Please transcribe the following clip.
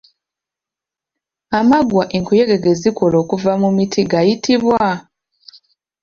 Amaggwa enkuyege ge zikola okuva mu miti gayitibwa?